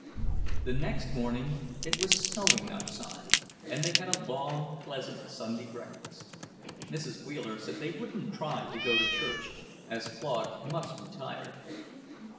The next morning it was snowing outside, and they had a long, pleasant Sunday breakfast. Mrs. Wheeler said they wouldn't try to go to church, as Claude must be tired.